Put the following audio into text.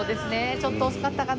ちょっと遅かったかな。